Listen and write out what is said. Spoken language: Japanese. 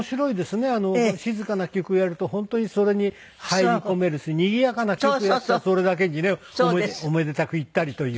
静かな曲やると本当にそれに入り込めるしにぎやかな曲やるとそれだけにねおめでたくいったりという。